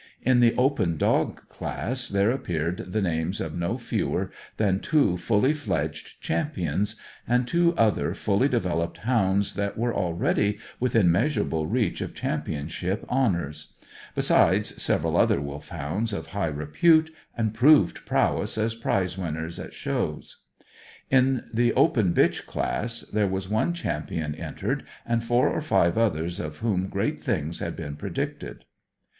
In the Open dog class there appeared the names of no fewer than two fully fledged champions, and two other fully developed hounds that were already within measurable reach of championship honours; besides several other Wolfhounds of high repute and proved prowess as prize winners at shows. In the Open bitch class there was one champion entered, and four or five others of whom great things had been predicted.